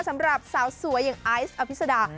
สำหรับสาวสวยอย่างไอซ์อภิษดา